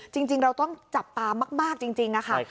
จริงเราต้องจับตามากจริงค่ะ